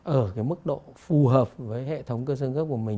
ở cái mức độ phù hợp với hệ thống cơ sở gốc của mình